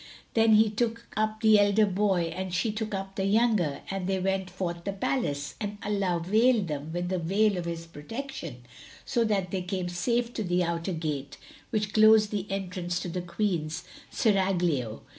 Then he took up the elder boy and she took up the younger and they went forth the palace; and Allah veiled them with the veil of His protection, so that they came safe to the outer gate which closed the entrance to the Queen's Serraglio.